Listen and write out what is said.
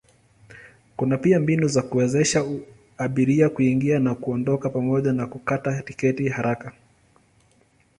Kuna pia mbinu za kuwezesha abiria kuingia na kuondoka pamoja na kukata tiketi haraka.